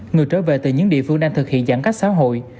người trở về từ những địa phương đang thực hiện giãn cách xã hội